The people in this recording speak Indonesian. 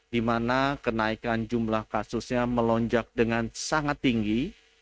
di mana kenaikan jumlah kasusnya melonjak dengan sangat tinggi